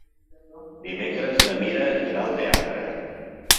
Dimecres na Mira irà al teatre.